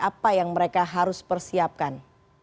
apa yang mereka harus persiapkan